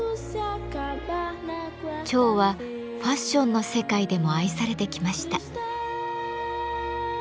蝶はファッションの世界でも愛されてきました。